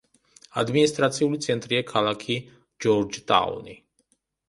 ადმინისტრაციული ცენტრია ქალაქი ჯორჯტაუნი.